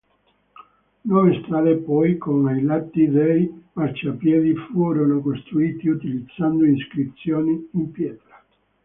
Nuove strade, poi, con ai lati dei marciapiedi furono costruiti, utilizzando iscrizioni in pietra.